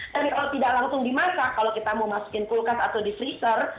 tapi kalau tidak langsung dimasak kalau kita mau masukin kulkas atau di freezer